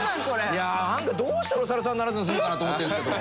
いやどうしたらお猿さんにならずに済むかなと思ってるんですけど。